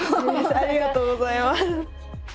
ありがとうございます。